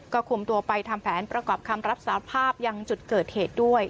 ก็คุมตัวไปทำแผนประกอบคำรับสาภาพยังจุดเกิดเหตุด้วย